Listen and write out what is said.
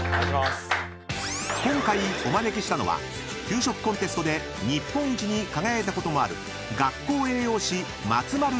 ［今回お招きしたのは給食コンテストで日本一に輝いたこともある］